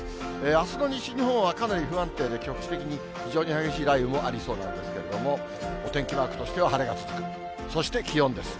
あすの西日本はかなり不安定で局地的に非常に激しい雷雨もありそうなんですけども、お天気マークとしては晴れが続く、そして気温です。